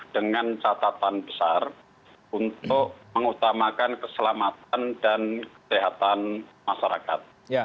dengan catatan besar untuk mengutamakan keselamatan dan kesehatan masyarakat